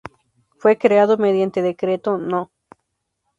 Fue creado mediante decreto No.